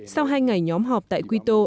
sau hai ngày nhóm họp tại quito